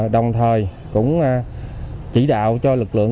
đồng thời cũng chỉ đạo cho lực lượng